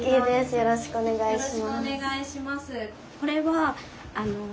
よろしくお願いします。